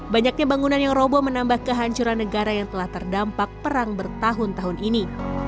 banyaknya bangunan yang roboh menambah kehancuran negara yang telah terdampak perang bertahun tahun ini